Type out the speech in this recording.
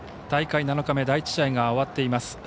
大会７日目第１試合が終わっています。